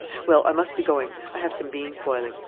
Well, I must be going I have some beans boiling.